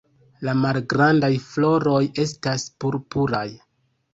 La malgrandaj floroj estas purpuraj.